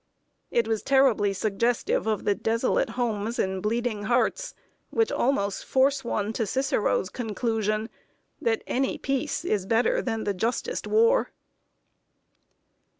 It was terribly suggestive of the desolate homes and bleeding hearts which almost force one to Cicero's conclusion, that any peace is better than the justest war.